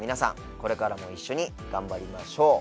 これからも一緒に頑張りましょう。